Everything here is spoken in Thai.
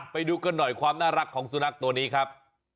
ไปดูกันหน่อยความน่ารักของสุนัขตัวนี้ครับ